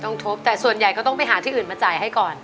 ทบแต่ส่วนใหญ่ก็ต้องไปหาที่อื่นมาจ่ายให้ก่อน